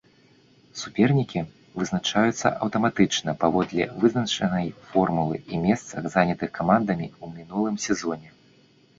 Супернікі вызначаюцца аўтаматычна паводле вызначанай формулы і месцах, занятых камандамі ў мінулым сезоне.